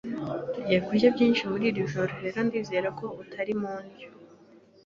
Tugiye kurya byinshi muri iri joro rero ndizera ko utari mu ndyo.